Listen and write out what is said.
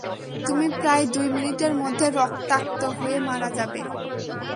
তুমি প্রায় দুই মিনিটের মধ্যে রক্তাক্ত হয়ে মারা যাবে।